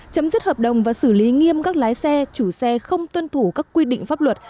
chấm dứt hợp đồng và xử lý nghiêm các lái xe chủ xe không tuân thủ các quy định pháp luật